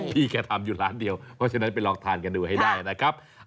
พี่แกทำอยู่ร้านเดียวเพราะฉะนั้นไปลองทานกันดูให้ได้นะครับ